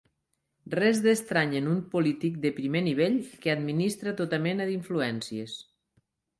Res d'estrany en un polític de primer nivell que administra tota mena d'influències.